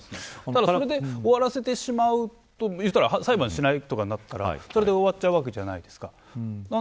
ただ、それで終わらせてしまうと裁判しないとかになったらそれで終わっちゃうわけじゃないですか。